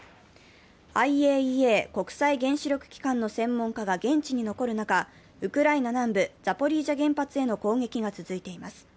ＩＡＥＡ＝国際原子力機関の専門家が現地に残る中、ウクライナ南部、ザポリージャ原発への攻撃が続いています。